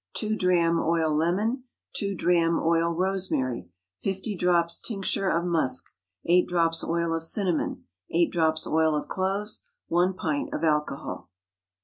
2 drachm oil lemon. 2 drachm oil rosemary. 50 drops tincture of musk. 8 drops oil of cinnamon. 8 drops oil of cloves. 1 pint of alcohol.